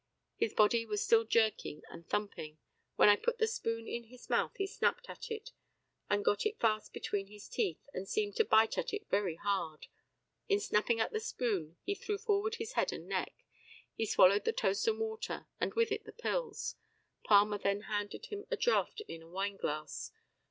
His body was still jerking and jumping. When I put the spoon to his mouth, he snapped at it and got it fast between his teeth, and seemed to bite it very hard. In snapping at the spoon he threw forward his head and neck. He swallowed the toast and water, and with it the pills. Palmer then handed him a draught in a wineglass.